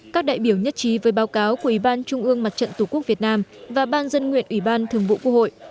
các đại biểu nhất trí với báo cáo của ủy ban trung ương mặt trận tổ quốc việt nam và ban dân nguyện ủy ban thường vụ quốc hội